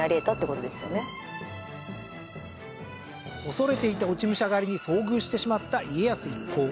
恐れていた落武者狩りに遭遇してしまった家康一行。